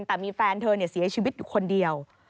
แต่มีแฟนเธอเนี่ยเสียชีวิตคนเดียว